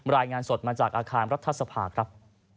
รายงานสดมาจากอาคารรัฐสภาครับ